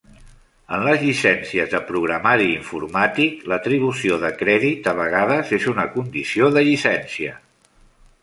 En les llicències de programari informàtic, l'atribució de crèdit a vegades és una condició de llicència.